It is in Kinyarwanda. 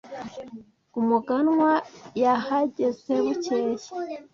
Umuganwa yahajyeze bukeye .